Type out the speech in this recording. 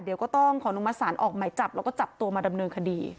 เดี๋ยวก็ต้องขอนุมัติศาลออกหมายจับแล้วก็จับตัวมาดำเนินคดี